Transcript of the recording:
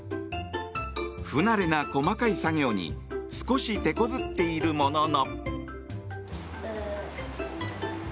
不慣れな細かい作業に少してこずっているものの。